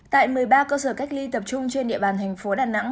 tại một mươi ba cơ sở cách ly tập trung trên địa bàn thành phố đà nẵng